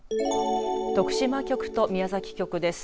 徳島局と宮崎局です。